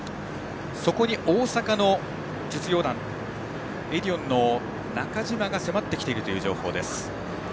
そこに大阪の実業団エディオンの中島が迫ってきているという情報です。